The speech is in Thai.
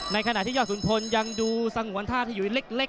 ขณะที่ยอดสุนพลยังดูสงวนท่าที่อยู่เล็ก